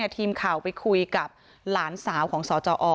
ทีมข่าวไปคุยกับหลานสาวของสจอ